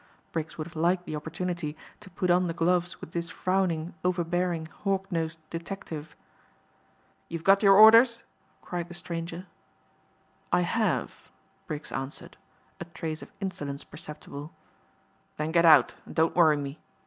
Briggs would have liked the opportunity to put on the gloves with this frowning, overbearing, hawknosed detective. "You've got your orders?" cried the stranger. "I have," Briggs answered, a trace of insolence perceptible. "Then get out and don't worry me.